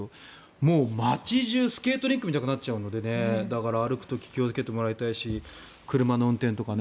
もう、街中スケートリンクみたくなっちゃうので歩く時、気をつけてもらいたいし車の運転とかね。